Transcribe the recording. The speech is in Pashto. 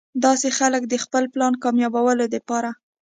داسې خلک د خپل پلان کاميابولو د پاره